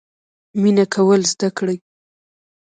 مینه کول زده کړئ